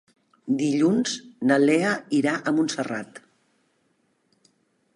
Dilluns na Lea irà a Montserrat.